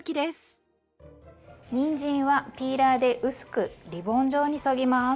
にんじんはピーラーで薄くリボン状にそぎます。